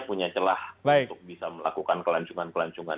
punya celah baik untuk bisa melakukan kelancungan kelancungan